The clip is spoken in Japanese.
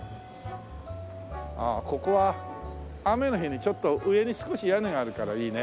ああここは雨の日にちょっと上に少し屋根があるからいいね。